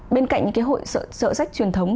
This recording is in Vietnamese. bên cạnh những cái hội sở sách truyền thống